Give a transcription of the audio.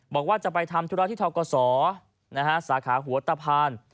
บอกว่าจะไปทำธุระที่ท้องกษอนะฮะสาขาหัวตะพาน